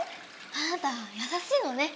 あなたやさしいのね。